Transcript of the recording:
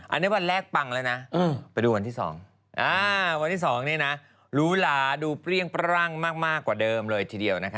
อันนี้วันแรกปังเลยนะวันที่๒ลูหลาดูเปรี้ยงประรั่งมากกว่าเดิมเลยทีเดียว